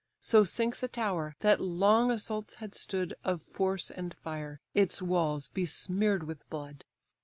So sinks a tower, that long assaults had stood Of force and fire, its walls besmear'd with blood.